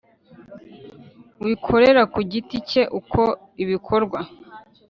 wikorera ku giti cye ukora ibikorwa